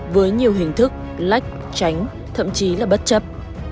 với nhiều hình thức lách tránh thậm chí là bất chấp